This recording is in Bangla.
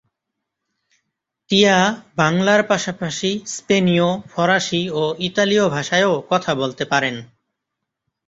টিয়া বাংলার পাশাপাশি স্পেনীয়, ফরাসী ও ইটালীয় ভাষায়ও কথা বলতে পারেন।